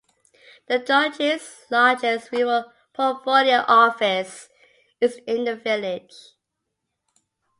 The Duchy's largest rural portfolio office is in the village.